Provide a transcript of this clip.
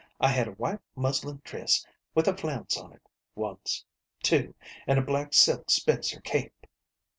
I had a white muslin dress with a flounce on it, once, too, an' a black silk spencer cape."